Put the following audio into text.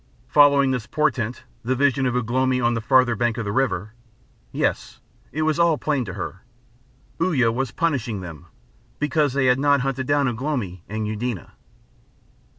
Following this portent, the vision of Ugh lomi on the farther bank of the river.... Yes, it was all plain to her. Uya was punishing them, because they had not hunted down Ugh lomi and Eudena.